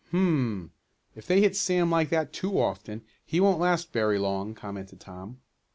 "Hum, if they hit Sam like that too often he won't last very long," commented Tom.